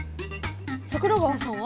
桜川さんは？